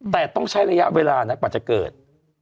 แต่ต้องใช้ระยะเวลานะกว่าจะเกิด